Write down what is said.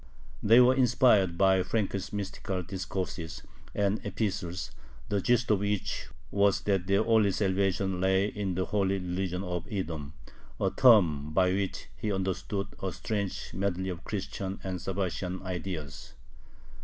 They were inspired by Frank's mystical discourses and epistles, the gist of which was that their only salvation lay in the "holy religion of Edom," a term by which he understood a strange medley of Christian and Sabbatian ideas.